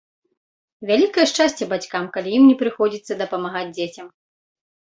Вялікае шчасце бацькам, калі ім не прыходзіцца дапамагаць дзецям.